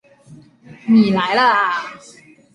你来了啊